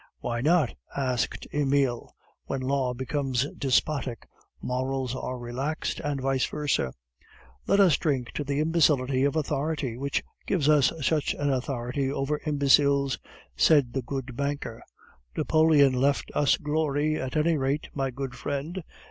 "Why not?" asked Emile. "When law becomes despotic, morals are relaxed, and vice versa. "Let us drink to the imbecility of authority, which gives us such an authority over imbeciles!" said the good banker. "Napoleon left us glory, at any rate, my good friend!"